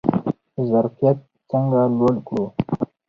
ظرفیت څنګه لوړ کړو؟